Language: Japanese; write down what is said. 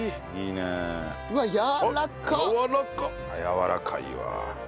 やわらかいわあ。